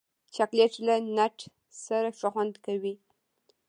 چاکلېټ له نټ سره ښه خوند لري.